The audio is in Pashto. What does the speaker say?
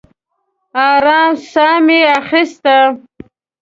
ارام ساه مې واخیسته.